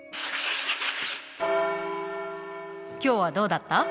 今日はどうだった？